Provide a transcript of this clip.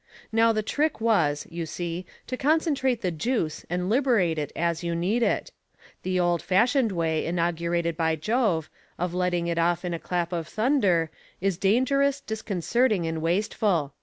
Now the trick was, you see, to concentrate the juice and liberate it as you needed it. The old fashioned way inaugurated by Jove, of letting it off in a clap of thunder, is dangerous, disconcerting and wasteful.